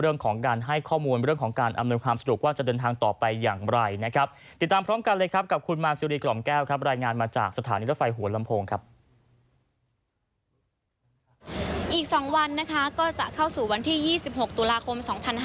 อีก๒วันนะคะก็จะเข้าสู่วันที่๒๖ตุลาคม๒๕๖๐